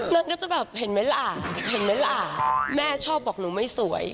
นางก็จะแบบเห็นไหมล่ะแม่ชอบบอกหนูไม่สวย